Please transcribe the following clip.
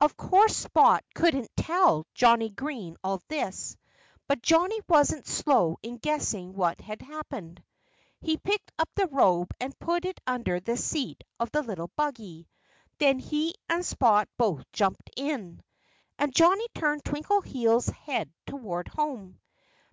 Of course Spot couldn't tell Johnnie Green all this. But Johnnie wasn't slow in guessing what had happened. He picked up the robe and put it under the seat of the little buggy. Then he and Spot both jumped in. And Johnnie turned Twinkleheels' head toward home.